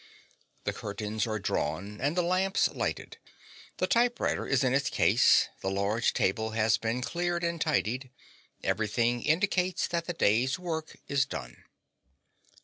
The curtains are drawn, and the lamps lighted. The typewriter is in its case; the large table has been cleared and tidied; everything indicates that the day's work is done.